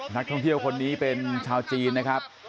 นักท่องเที่ยวคนนี้เป็นชาวจีนนะครับ